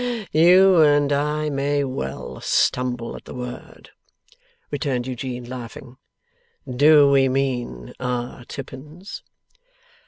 You and I may well stumble at the word,' returned Eugene, laughing. 'Do we mean our Tippins?